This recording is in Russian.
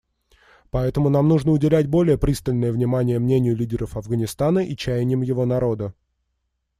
Поэтому нам нужно уделять более пристальное внимание мнению лидеров Афганистана и чаяниям его народа.